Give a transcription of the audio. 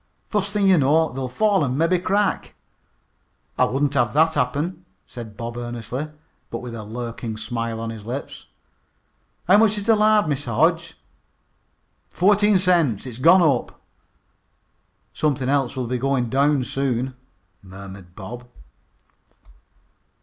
"Fust thing you know they'll fall an' mebby crack." "I wouldn't have that happen," said Bob earnestly, but with a lurking smile on his lips. "How much is the lard, Mr. Hodge?" "Fourteen cents. It's gone up." "Something else will be going down soon," murmured Bob.